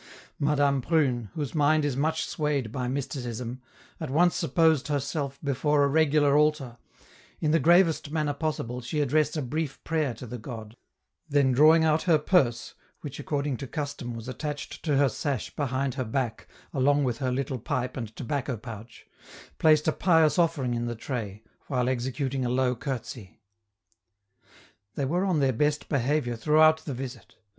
Madame Prune, whose mind is much swayed by mysticism, at once supposed herself before a regular altar; in the gravest manner possible she addressed a brief prayer to the god; then drawing out her purse (which, according to custom, was attached to her sash behind her back, along with her little pipe and tobacco pouch), placed a pious offering in the tray, while executing a low curtsey. They were on their best behavior throughout the visit.